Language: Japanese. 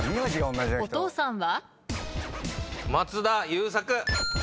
松田優作。